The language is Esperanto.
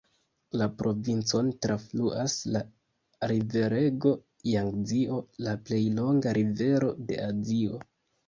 La provincon trafluas la riverego Jangzio, la plej longa rivero de Azio.